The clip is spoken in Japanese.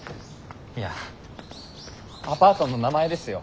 いやアパートの名前ですよ。